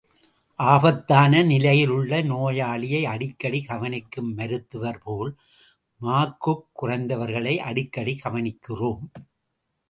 ஆபத்தான நிலையிலுள்ள நோயாளியை அடிக்கடி கவனிக்கும் மருத்துவர்போல், மார்க்குக் குறைந்தவர்களை அடிக்கடி கவனிக்கிறோம்.